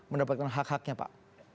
mendapatkan hak haknya pak